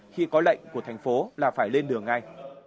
khi có lệnh của thành phố là phải lên đường ngay